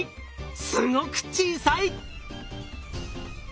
すごく小さい！